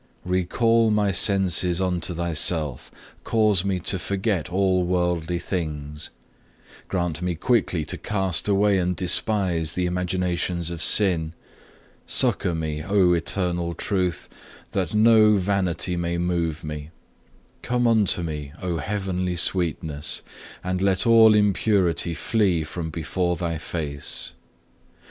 Recall my senses unto Thyself, cause me to forget all worldly things; grant me quickly to cast away and despise the imaginations of sin. Succour me, O Eternal Truth, that no vanity may move me. Come unto me, O Heavenly Sweetness, and let all impurity flee from before Thy face.